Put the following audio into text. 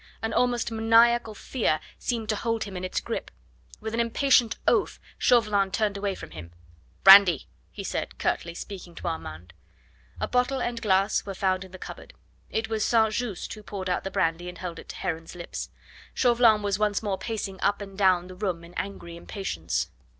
An almost maniacal fear seemed to hold him in its grip. With an impatient oath Chauvelin turned away from him. "Brandy!" he said curtly, speaking to Armand. A bottle and glass were found in the cupboard. It was St. Just who poured out the brandy and held it to Heron's lips. Chauvelin was once more pacing up and down the room in angry impatience.